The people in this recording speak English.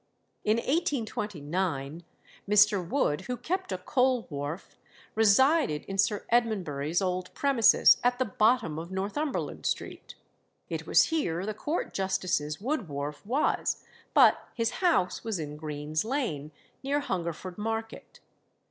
In 1829 Mr. Wood, who kept a coal wharf, resided in Sir Edmondbury's old premises at the bottom of Northumberland Street. It was here the court justice's wood wharf was, but his house was in Green's Lane, near Hungerford Market.